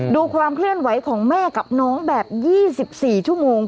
ดูความเคลื่อนไหวของแม่กับน้องแบบ๒๔ชั่วโมง